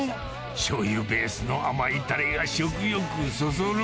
しょうゆベースの甘いたれが食欲そそる。